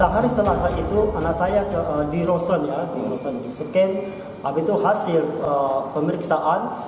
hari selasa itu anak saya diroson di scan habis itu hasil pemeriksaan